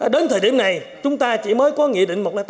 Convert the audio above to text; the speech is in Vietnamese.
đến thời điểm này chúng ta chỉ mới có nghị định một trăm linh tám